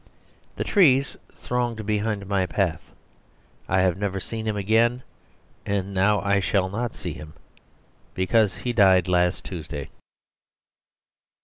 The trees thronged behind my path; I have never seen him again; and now I shall not see him, because he died last Tuesday.